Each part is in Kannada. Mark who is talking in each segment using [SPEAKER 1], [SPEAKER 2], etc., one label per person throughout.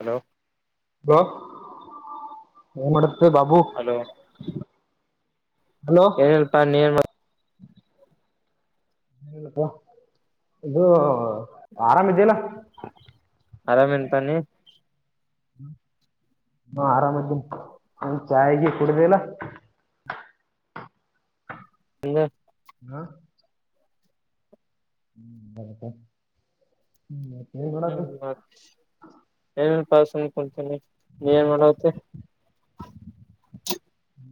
[SPEAKER 1] ಹಲೋ
[SPEAKER 2] ಹಲೋ ಮಾಡ ಹ ಬಾಬೂ
[SPEAKER 1] ಹಲೋ
[SPEAKER 2] ಹಲೋ
[SPEAKER 1] ಏನಲ್ಪಾ ನೀನ್
[SPEAKER 2] ನಪ್ಪ ಇದು ಆರಾಮ ಇದೀಯಲ್
[SPEAKER 1] ಆರಾಮ ಎನಪಾ ನೀ
[SPEAKER 2] ಹಾ ಆರಾಮದ ಚಾಯಗಿ ಕುಡುದಿಲ್ಲೊ
[SPEAKER 1] ಇನ್
[SPEAKER 2] ಹಾ [unintelligible]
[SPEAKER 1] ಹ್ಮ್ ಮ ಏನ ಇಲ್ಲಾ ಪಾ ಸುಮನ್ ಕೊತನಿ ನೀ ಮಾಡುತ್ತ [unintelligible]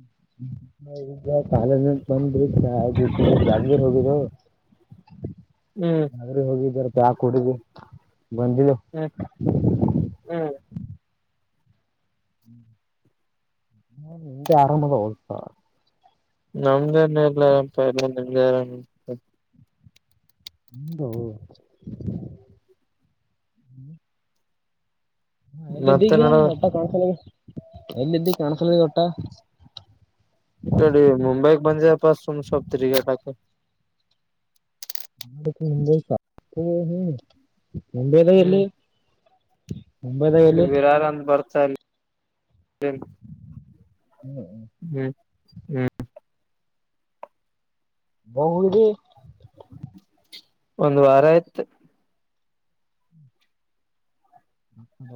[SPEAKER 2] ಗ ಕಾಲೇಜ್ ಬಂದ
[SPEAKER 1] ಹ್ಮ್
[SPEAKER 2] [unintelligible] ಹೋಗಿದ್ದಾರಪ ಯಾ ಕುಡಿದ ಬಂದಿ [unintelligible]
[SPEAKER 1] ಹ್ಮ್ ಹ್ಮ್
[SPEAKER 2] ನಿಂದ ಆರಾಮ ದೋಸ್ತ
[SPEAKER 1] ನಮ್ದನೆೆ ಎಲ್ಲರ ಪ ನಿಮ್ದರ
[SPEAKER 2] ಹಂದುಮ ಹಾ ಎಲ್ಲ
[SPEAKER 1] ಮತ್ತೆ
[SPEAKER 2] ಇದ್ದೀಗ
[SPEAKER 1] ನೋಡ
[SPEAKER 2] ಅಪ್ಪ ಕಾಣಸಲ ಎಲ್ಲಿದ್ದಿ ಕಾಣಸಲ್ ಗಟ್ಟ
[SPEAKER 1] ಇ ಕಡೆ ಮುಂಂಬೈ ಬಂದಿದೆ ಪಾಸಮ ಸೊಪ ತರಿಗಟಕೆ
[SPEAKER 2] ಮುಂಬೈ ಮುಂಬೈದ
[SPEAKER 1] ಹ್ಮ್
[SPEAKER 2] ಎಲ್ಲಿ ಮುಂಬೈದಾಗ
[SPEAKER 1] ಇಲ್ಲಿ
[SPEAKER 2] ಎಲ್ಲಿ
[SPEAKER 1] ವಿರಾರ ಅಂದ ಬರ್ತಾ ಇಲ್ಲಿ ಹ್ಮ್ ಹ್ಮ್ ಹ್ಮ್
[SPEAKER 2] ಬಂಗಡಿ
[SPEAKER 1] ಒಂದು ವಾರ ಆಯ್ತು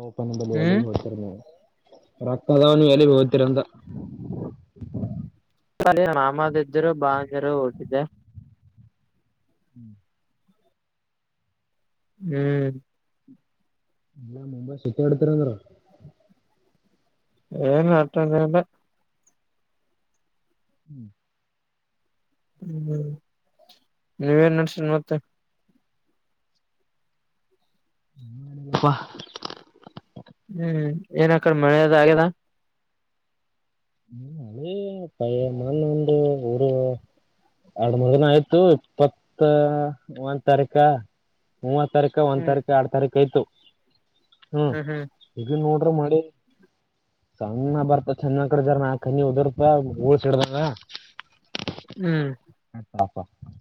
[SPEAKER 2] ಓಪನ್ಲ್ಲಿ ಎಳ
[SPEAKER 1] ಹ್ಮ್
[SPEAKER 2] ಹೋಗಡ್ತಾರೆ ನೀವು ರೊಕ್ಕ ಅದಾವ ನೀ ಎಲ್ಲಿ ಹೋಗತೀರಂತ
[SPEAKER 1] ಮಾಮದಿದ್ದರು ಬಾ ಅಂದರು ಊಟಿದ್ದೆ
[SPEAKER 2] ಹ್ಮ್
[SPEAKER 1] ಹ್ಮ್
[SPEAKER 2] ಇಲ್ಲ ಮುಂಬಾ ಸುತಿ ಎತರಂಗರ
[SPEAKER 1] ಏನ್ ಅತನಲ್ಲ
[SPEAKER 2] ಹ್ಮ್
[SPEAKER 1] ಹ್ಮ್ ನೀವೇನ್ ನಡ್ಸನ್ ಮತ್ತೆ
[SPEAKER 2] ಹ್ಮಪ್ಪಾ
[SPEAKER 1] ಹ್ಮ್ ಏನಕಡೆ ಮಳೆದ ಆಗ್ಯದ
[SPEAKER 2] ಹ್ಮ ಅದೇ ಪಯ ಮ ಉಂದು ಎರಡ್ ಮೂರ್ ದಿನ ಆಯ್ತು ಇಪ್ಪತ್ತ ಮೂಂದ ತಾರೀಕ ಮೂವತ್ ತಾರಕ ಒಂದ
[SPEAKER 1] ಹ್ಮ್
[SPEAKER 2] ತಾರೀಕ ಆರ ತಾರೀಕ ಆಯತು ಹ್ಮ
[SPEAKER 1] ಹ್ಮ್ ಹ್ಮ್
[SPEAKER 2] ಈಗ ನೋಡ್ರಿ ಮಾಡಿ ಸಣ್ಣ ಬರ್ತ ಚೆನ್ನಾಗಿ ದಾರ ನಾಕ್ಣಿ ಓದರ್ತ ಓಳ್ಸಡ್ದ
[SPEAKER 1] ಹ್ಮ್
[SPEAKER 2] ಹತ ಹ್ಮ್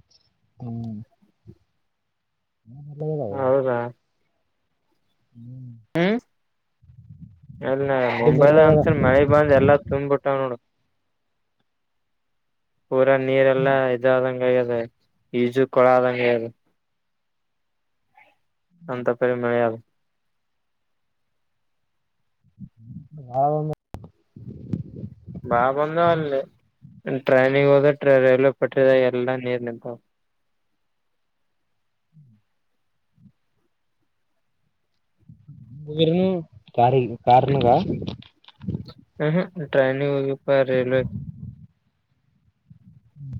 [SPEAKER 2] ಮಳಿ
[SPEAKER 1] ಹೌದಾ
[SPEAKER 2] ಹ್
[SPEAKER 1] ಅಲ್ಲ ಮುಂಬೈದ ಅಂತ್ರ ಮಳಿ ಬಂದ್ ಎಲ್ಲಾ ತುಂಬ್ಬಿಟ್ಟಾವ್ ನೋಡು ಪೂರ ನೀರೆಲ್ಲಾ ಇದ ಆದಂಗ ಇದೆ ಈಜು ಕೊಳ ಆದಂಗಗೆ ಇದೆ ಅಂತ ಪರಿ ಮಳಗ
[SPEAKER 2] ಹ
[SPEAKER 1] ಬಾ ಬಂದ ಅಲ್ಲಲ್ಲಿ ಟ್ರೈನಿಗೆ ಹೋದ ರೈಲ್ವೆ ಪಟ್ಟಿದ ಎಲ್ಲಾ ನೀರ್ ನಿಂತಾವ
[SPEAKER 2] [inaudible] ಕ ಕಾರಣ
[SPEAKER 1] ಟ್ರೈನ್ ಪ ರೇಲ್ವೆೇ
[SPEAKER 2] ಹ್ಮ್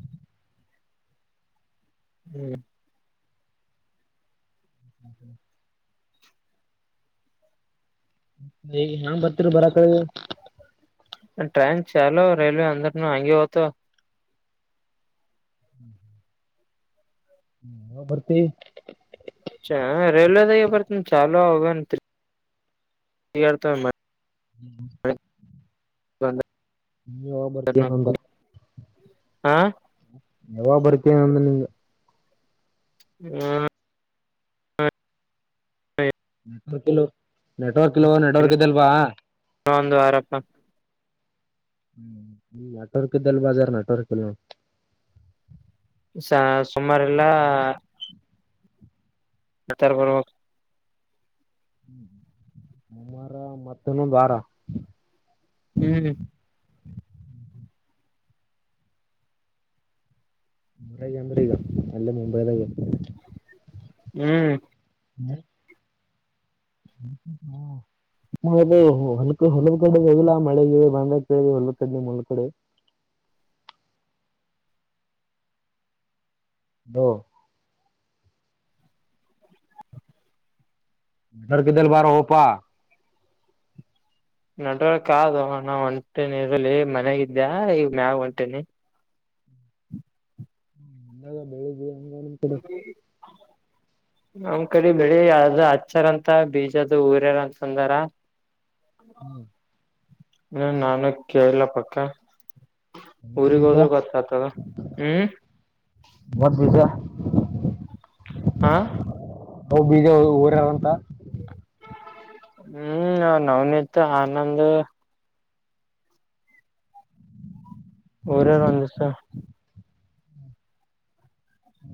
[SPEAKER 1] ಹ್ಮ್
[SPEAKER 2] ಹ್ ಹೇಗ ನಾಂಗ್ ಬರ್ತರ ಬರ ಕಡೆ
[SPEAKER 1] ಟ್ರೈನ್ ಚಾಲೋ ರೈಲ್ವೆ ಅಂದ್ರ ನ ಅಂಗೆತ
[SPEAKER 2] ಹ್ಮ್ ಹ್ಮ ಬರ್ತಿ
[SPEAKER 1] ಚ ರೈಲು ಪತ ಚಾಲೋ ಆಗ ಮಾಡ
[SPEAKER 2] ಹ್ಮ ನೀ ಯ ಬರ್ತ
[SPEAKER 1] ಬಂದ್ರನು
[SPEAKER 2] ನಂದ
[SPEAKER 1] ಹಾ
[SPEAKER 2] ಯಾಗ ಬರ್ತೀನ ಅಂದ ನಿಂಗ
[SPEAKER 1] ಹ್ಮ
[SPEAKER 2] ನೆಟ್ವರ್ಕ್ ಇಲ್ ನೆಟ್ವರ್ಕ್ ಇಲ್ ನೆಟ್ವರ್ಕ್ ಇದದೆಲ್ವಾ
[SPEAKER 1] ನೊಂದುವಾರಪ್ಪ
[SPEAKER 2] ಹ್ಮ್ಮ ನಟೋರ್ಕದಲ್ ಬಾಜಾರ್ ನಟೋರ್ಕಲ್ಲ
[SPEAKER 1] ಸುಮಾರಲ್ಲಾ ನತ್ತಾರ ಬರುವ
[SPEAKER 2] ಮುಮ್ಮಾರ ಮತ್ತನ್ನು ಬಾರ
[SPEAKER 1] ಹ್ಮ್
[SPEAKER 2] ನರಐರಗ ನಲ್ಲ ಮುಬೈದ
[SPEAKER 1] ಹ್ಮ್
[SPEAKER 2] ಹ ಹ ಹ್ಮ ದು ಹೊಲ್ ಹೊಲ ಕಡೆ ಹೋಗಿಲ್ಲಾ ಮಳೆಗ ಬಂದತ ಹೊಲ್ ಕಡ್ ನಿ ಮುಲ್ ಕಡೆ [unintelligible] ಹ ಮಟರ್ಕ್ಕೆ ದಲ ಬಾರ ಹ ಪಾ
[SPEAKER 1] ನಡವರ್ಕ್ದು ನಣಾ ಹೊಂಟೀನಿ ಇರಲಿ ಮನೆಗಿದ್ದ್ಯ ಈಗ ಮ್ಯಾಗ ಹೊಂಟನಿ
[SPEAKER 2] ಇಗ ಬೆಳಿದವಿ ಹಂಗ ನಿಮ್ ಕಡೆ
[SPEAKER 1] ನಮ್ ಕಡೆ ಬೆಳಿ ಅದು ಹಚ್ಚಾರ ಅಂತ ಬೀಜದದು ಊರ್ಯಾರ ಅಂತ ಅಂದಾರ
[SPEAKER 2] ಹ್ಮ್
[SPEAKER 1] ನ ನಾನ ಕಲ್ಲ ಪಕ್ಕಾ
[SPEAKER 2] ಮೂವತ್
[SPEAKER 1] ಊರಿಗೆಗ್
[SPEAKER 2] ಬೀಜ
[SPEAKER 1] ಹೋದ್ರ ಗೊತ್ತ ಆತದ ಹ್ಮ್
[SPEAKER 2] ಮೂವತ್ [unintelligible]
[SPEAKER 1] ಹಾ
[SPEAKER 2] ಹ ಬೀಜ ಊರಂತ
[SPEAKER 1] ಹ್ಮ್ ನವ್ನ ಇತ್ತು ಆನಂದ ರ ನಂದಸ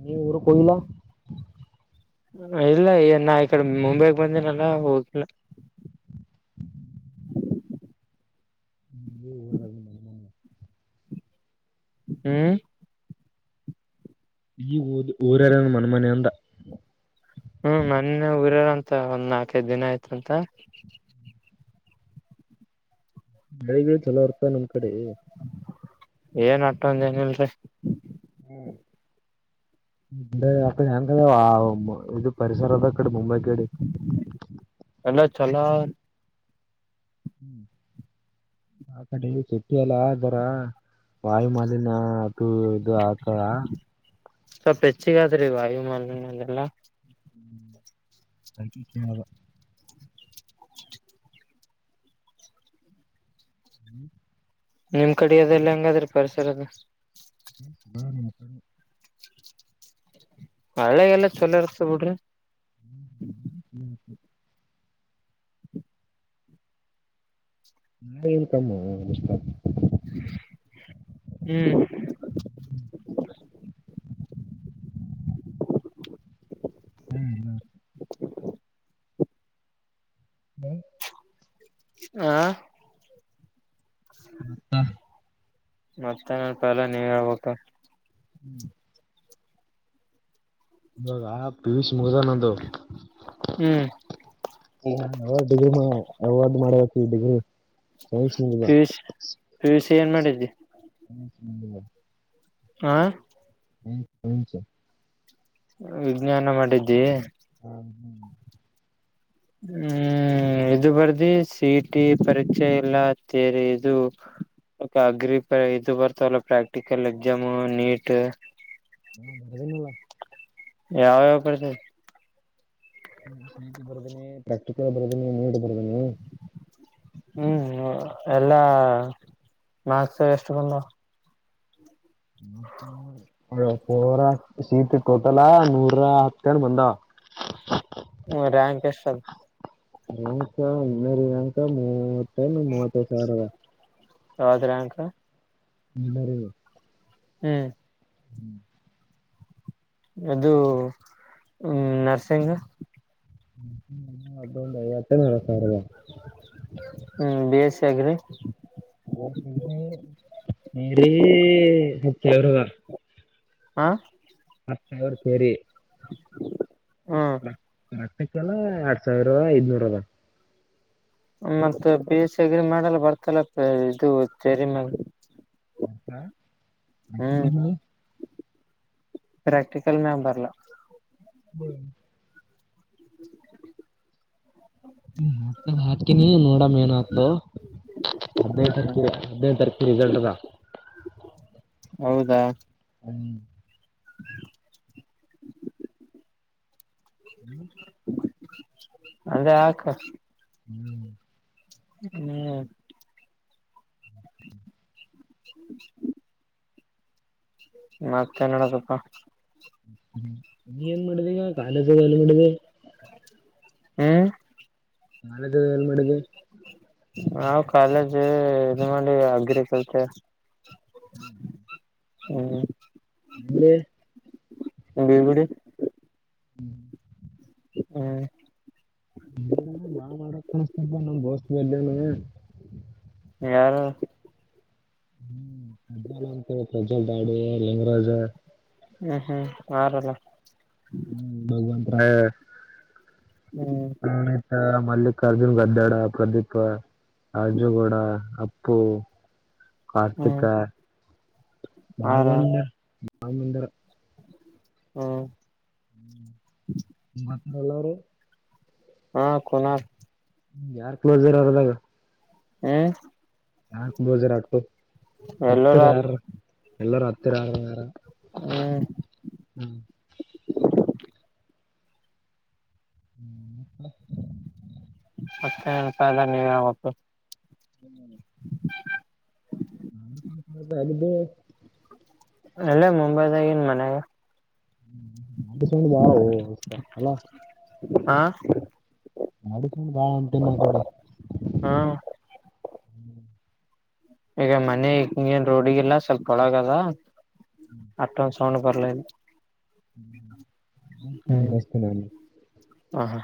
[SPEAKER 2] ನೀ ಊ ಕಯಲಾ
[SPEAKER 1] ಇಲ್ಲ ನಾ ಈ ಕಡೆ ಮುಂಬೈಗ ಬಂದ ನಲ್ಲ ಹೋಗಿಲ್ಲ
[SPEAKER 2] ಹ್ಮ್ ಹ್ಮ ಹರ
[SPEAKER 1] ಹ್ಮ್
[SPEAKER 2] ಈ ಊದ ಊರಾರ ಮನ್ಮನೆ ಅಂತ
[SPEAKER 1] ಹ್ಮ್ ಮನ್ನ ಊರಾರಂತ ಒಂದ್ ನಾಲ್ಕದ್ ದಿನ ಆಯ್ತಂತ
[SPEAKER 2] ಬೆಳಿಗಳ ಚಲೋ ಬರ್ತ ನಮ್ ಕಡೆ
[SPEAKER 1] ಏನ್ ಅಟ್ಟೊಂದ ಏನಿಲ್ರಿ
[SPEAKER 2] ಹ್ಮ್ ಅ ಹೆ ಇದು ಪರಿಸರ ಅದ ಕಡೆ ಮುಂಬೈ ಕಡೆ [unintelligible]
[SPEAKER 1] ಎಲ್ಲ ಚಲ
[SPEAKER 2] ಹ್ಮ್ ಆಕಡೆ ಸಿಟ್ಟಿ ಎಲ್ಲರ ವಾಯು ಮಾಲನ್ಯ ಅದು. ದು ಆತಾ.
[SPEAKER 1] ಸ್ವಲ್ಪ ಹೆಚ್ಚಿಗಾದ್ರೀ ವಾಯುಮಾನಯ ಅದೆಲ್ಲಾ.
[SPEAKER 2] ಹ್ಮ ಬಕಿ ಕೇಳಾವ [inaudible]
[SPEAKER 1] [unintelligible]
[SPEAKER 2] ಹ್ಮ್ [inaudible]
[SPEAKER 1] ನಿಮ್ ಕಡೆ ಅದೆಲ್ಲ ಹೆಂಗಾದ್ರಿ ಪರಿಸರದ.
[SPEAKER 2] ಹ್ಮ ಬ ನತ [inaudible]
[SPEAKER 1] ಒಳ್ಳೆೆಗೆಲ್ಲ ಚಲೋ ಇರ್ಕ್ತ ಬಿಡ್ರಿ.
[SPEAKER 2] ಹ್ಮ್ ಹ್ಮ್ ಸ [inaudible] ನ ಏನ್ ಕಮ್ಮಷ್ಟ [inaudible]
[SPEAKER 1] ಹ್ಮ್. [inaudible]
[SPEAKER 2] [unintelligible]
[SPEAKER 1] [inaudible]
[SPEAKER 2] ಹ್ಮ [inaudible]
[SPEAKER 1] ಹ
[SPEAKER 2] ಮತ್ತ
[SPEAKER 1] ಮತ್ತೆ [unintelligible] ನೀವ್ ಹೇಳ್ಬೇಕು.
[SPEAKER 2] ಹ್ಮ್ [inaudible] ಇವಾಗ ಪಿ ಯು ಸ್ ಮುಗುದದ್ ನಂದು.
[SPEAKER 1] ಹ್ಮ್.
[SPEAKER 2] [unintelligible] ಡಿಗ್ರಿ [unintelligible] ಮಾಡಬೇಕ್ ಇ degree science
[SPEAKER 1] P U C P
[SPEAKER 2] [unintelligible]
[SPEAKER 1] U ಏನ್ ಮಾಡಿದಿ.
[SPEAKER 2] ಹ [inaudible]
[SPEAKER 1] ಹ
[SPEAKER 2] [unintelligible]
[SPEAKER 1] ಹು ವಿಜ್ಞಾನ ಮಾಡಿದ್ದಿ.
[SPEAKER 2] ಹ್ಮ್
[SPEAKER 1] ಹ್ಮ ಹ್ಮ ಇದು ಬರ್ದಿ ಸಿ ಟಿ ಪರೀಕ್ಷೆ ಎಲ್ಲ ತೇರಿ ಇದು. ಒ ಅಗ್ರಿ ಪ ಇದು ಬರ್ತವಲ್ಲ ಪ್ರಾಕ್ಟಿಕಲ್ ಎಗ್ಜಾಮು ನೀಟು.
[SPEAKER 2] ಅದೇ ನಿಲ್ಲ
[SPEAKER 1] ಯಾವ್ ಯಾವ್ ಬರ್ತವೆ.
[SPEAKER 2] ಸಿ ಟಿ ಬರ್ದೀನಿ ಪ್ರಾಕ್ಟಿಕಲ್ ಬರ್ದೀನಿ ನೀಟ್ ಬರ್ದನಿ.
[SPEAKER 1] ಹ್ಮ್ ಎಲ್ಲಾ ಮಾರ್ಕ್ಸ್ ಎಷ್ಟ ಬಂದ.
[SPEAKER 2] [unintelligible] ಪೋರ ಸಿಇಟಿ ಟೋಟಲಾ ನೂರ ಹತ್ತೆನ್ ಬಂದಾವ.
[SPEAKER 1] ಹ್ಮ ರಾಂಕ್ ಎಷ್ಟ್ ಅದ.
[SPEAKER 2] ದಿನಕ [unintelligible] ಮೂವತ್ತೈದ್ ಮೂವತ್ತೈದು ಸಾವಿರದ.
[SPEAKER 1] ಯೌದ್ರಂಕ.
[SPEAKER 2] ಇಲ್ಲ ರೀ
[SPEAKER 1] ಹ್ಮ್.
[SPEAKER 2] ಹ್ಮ್
[SPEAKER 1] ಅದು ನರ್ಸಿಂಗ.
[SPEAKER 2] ಅದೊಂದ್ ಐವತ್ ರಿಂದ ನಲ್ವತ್ ಸಾವ್ರದ.
[SPEAKER 1] ಹ್ಮ್ ಬಿ ಎ ಸ್ಸಿ ಆಗ್ರಿ.
[SPEAKER 2] [unintelligible] [unintelligible]
[SPEAKER 1] ಹಾ.
[SPEAKER 2] [unintelligible] ಅವರ್ ಸೇರಿ.
[SPEAKER 1] ಹ್ಮ್
[SPEAKER 2] [unintelligible] ಎರಡ್ ಸಾವ್ರ ಇನ್ನೂರದ.
[SPEAKER 1] ಮತ್ತ ಪ ಎಸ್ ಸಿ ಅಗ್ರಿ ಮಾಡಲ್ಲ ಬರ್ತಲ್ಲ ಇದು ಸರಿ
[SPEAKER 2] [inaudible]
[SPEAKER 1] ಪ್ರಾಕ್ಟಿಕಲ್ ಮ್ಯಮ್ ಬರ್ಲ
[SPEAKER 2] ಹ್ಮ್
[SPEAKER 1] [inaudible]
[SPEAKER 2] ಮತ್ ಹಾಕ್ತಿನಿ ನೋಡಾಮೇನ್ ದೊ ಹದಿನೈ ದ್
[SPEAKER 1] ಹ್ಮ್
[SPEAKER 2] ತರಿಕ್
[SPEAKER 1] ಹ್ಮ್
[SPEAKER 2] ಹದಿನೈದು ತಾರೀಕು ರಿಸಲ್ಟ್ ಅದ.
[SPEAKER 1] ಹೌದಾ
[SPEAKER 2] ಹ್ಮ
[SPEAKER 1] [inaudible]
[SPEAKER 2] ಹ್ಮ್
[SPEAKER 1] ಅದೆ ಆಕ
[SPEAKER 2] ಹ್ಮ್
[SPEAKER 1] ಹ್ಮ್ [inaudible] ಮ ಕನ್ನಡ ಸ್ವಪ
[SPEAKER 2] ನೀ ಏನ್ ಮಾಡಿದೆ ಈಗ ಕಾಲೇಜಗಲ್ಲಿ ಮಾಡಿದೆ
[SPEAKER 1] ಹ್ಮ್
[SPEAKER 2] ನಾಳೆದ ಎಲ್ ಮಾಡಡಗೆ
[SPEAKER 1] ನಾವ್ ಕಾಲೇಜ ಇದು ಮಾಡಿ ಅಗ್ರಿಕಲ್ತೆ
[SPEAKER 2] ಹ್ಮ್ ಹ್ಮ್
[SPEAKER 1] ಹ್ಮ
[SPEAKER 2] ನಿ
[SPEAKER 1] ಬೀಳ್ಗಡಿ
[SPEAKER 2] ಹ್ಮ್
[SPEAKER 1] ಹ್ಮ
[SPEAKER 2] ನೀ ಬಾ ಮಾಡಕ್ ಕಾಣಿಸಸ್ತಲ್ಪ ನನ್ ಬೋಸ್ ಬಲ್ಲನು
[SPEAKER 1] ಯಾರು
[SPEAKER 2] ಹ್ಮ ಪ್ರಜಂತ ಪ್ರಜವಲ್ ದಾಡ ಲಿಂಗರಾಜ
[SPEAKER 1] ಹ್ಮ್ ಹ್ಮ್ ಆರಲ್ಲ
[SPEAKER 2] ಹ್ಮ್ ಭಗವಂತ ರಾಯ
[SPEAKER 1] ಹ್ಮ್
[SPEAKER 2] ಪನಿತ ಮಲ್ಲಿಕಾರ್ಜುನ್ ಗದ್ದಡ ಪ್ರದೀಪ ಅರ್ಜುಗೌಡ ಉಪ್ಪು ಕಾರ್ತಿಕ
[SPEAKER 1] ಹ್ಮ್ ಆರ
[SPEAKER 2] ಬಲ್ವಣ್ಣ ಆಮಂದಿರ
[SPEAKER 1] ಹ್ಮ
[SPEAKER 2] ಹ್ಮ ಮಾತ್ರಳ್ಳವರು
[SPEAKER 1] ಹಾ ಕುನ
[SPEAKER 2] ಯಾರ್ ಕ್ಲೋಸ್ ಇರ್ರದಾಗ
[SPEAKER 1] ಹ್ಮ್
[SPEAKER 2] ಯಾರ್ ಬೋಜಾರ ಆಕ್ು
[SPEAKER 1] ಎಲ್ಲರ
[SPEAKER 2] ಹತ್ತಿರ ಯಾರ ಎಲ್ಲಾರ ಹತ್ತಿರ ಯಾರ ಯಾರ
[SPEAKER 1] ಹ್ಮ್
[SPEAKER 2] ಹ್ಮ್
[SPEAKER 1] ಮತ್ತೆ ಹಳ್ಂತ ಎಲ್ಲ ನೀವ ಆಾಗತ್ತು
[SPEAKER 2] ಹ [inaudible]
[SPEAKER 1] ಅಲ್ಲೇ ಮುಂಬೈದ ನ್ ಮನ್ಗ
[SPEAKER 2] ವ ಅಲ್ಲ
[SPEAKER 1] ಹಾ
[SPEAKER 2] ನಾಡ ಚೊಂಡು ಬಾಳ ಉಂಟೇ ನ ಕಡೆ
[SPEAKER 1] ಹಾ ಈಗ ಮನೆ ಮೇನ್ ರೋಡಿಗಿಲ್ಲ ಸ್ವಲ್ಪ ಒಳಗದ ಅತ್ತೊಸ್ ಸೌಂಡ್ ಬರ್ಲಾಗ್ಯದ
[SPEAKER 2] ಬಸ್ತ ನ [unintelligible]
[SPEAKER 1] ಹಾ ಹಾ